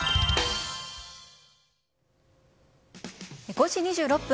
５時２６分。